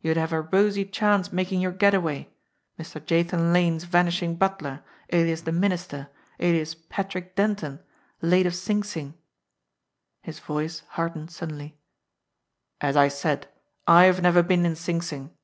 You'd have a rosy chance making your get away Mr. Jathan Lane's vanishing butler, alias the Minister, alias Patrick Denton, late of Sing Sing!" His voice hardened suddenly. "As I said, I've never been in Sing Sing.